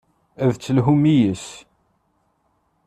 Ad d-telhum yes-s.